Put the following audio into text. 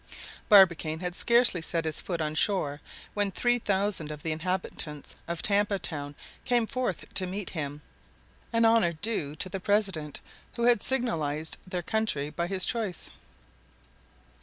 Barbicane had scarcely set his foot on shore when three thousand of the inhabitants of Tampa Town came forth to meet him, an honor due to the president who had signalized their country by his choice.